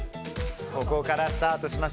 ここからスタートしました。